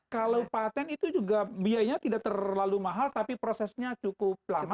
kalau patent itu juga biayanya tidak terlalu mahal tapi prosesnya cukup lama